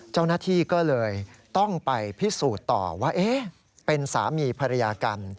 เจ้าหน้าที่ก็เลยต้องไปพิสูจน์ต่อว่าเป็นสามีภรรยากัน